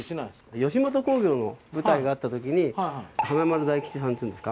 吉本興業の舞台があった時に華丸・大吉さんっていうんですか？